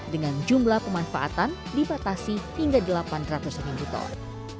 dengan jumlah pemanfaatan dipatasi hingga delapan ratus mili ton